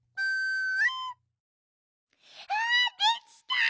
あでちた！